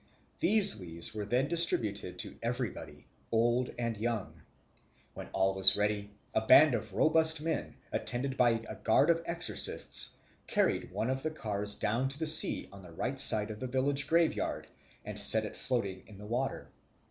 These leaves were then distributed to everybody, old and young. When all was ready, a band of robust men, attended by a guard of exorcists, carried one of the cars down to the sea on the right side of the village graveyard, and set it floating in the water.